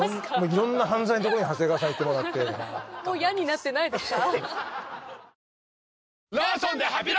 色んな犯罪のところに長谷川さん行ってもらってもう嫌になってないですか？